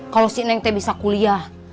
kalau si nengte bisa kuliah